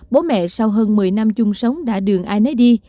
bố mẹ sau hơn một mươi năm chung sống đã đường ai nấy đi